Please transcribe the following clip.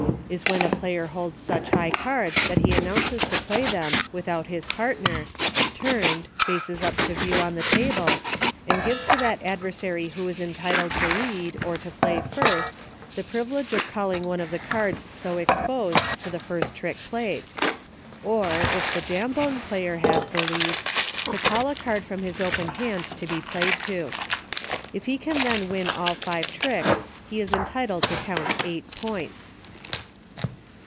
Is when a player holds such high cards that he announces to play them, without his partner, turned, faces up to view on the table, and gives to that adversary who is entitled to lead, or to play first, the privi lege of calling one of the cards so exposed to the first trick played ; or, if the Jambone player has the lead, to call a card from his open hand 5 m 82 EUCHRE. to be played to. If he can then win all five tricks he is entitled to count eight points.